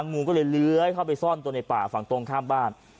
งูก็เลยเลื้อยเข้าไปซ่อนตัวในป่าฝั่งตรงข้ามบ้าน